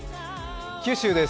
九州です。